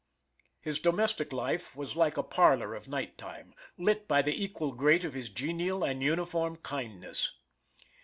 His domestic life was like a parlor of night time, lit by the equal grate of his genial and uniform kindness.